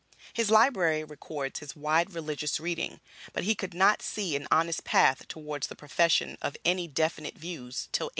His library records his wide religious reading; but he could not see an honest path towards the profession of any definite views till 1836.